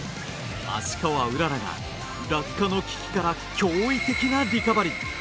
芦川うららが落下の危機から驚異的なリカバリー。